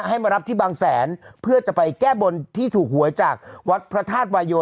ให้มารับที่บางแสนเพื่อจะไปแก้บนที่ถูกหวยจากวัดพระธาตุวายโย